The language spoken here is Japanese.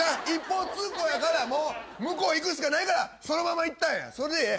一方通行やからもう向こう行くしかないからそのまま行ったんや！